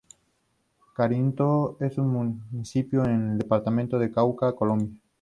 Corinto es un municipio en el departamento del Cauca, Colombia.